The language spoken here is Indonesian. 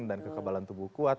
dan kekebalan tubuh kuat